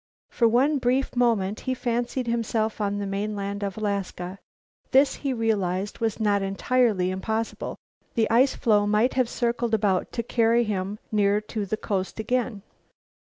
For one brief moment he fancied himself on the mainland of Alaska. This, he realized, was not entirely impossible; the ice floe might have circled about to carry him near to the coast again.